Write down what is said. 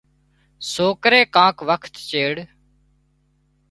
سوڪري ڪانڪ وکت چيڙ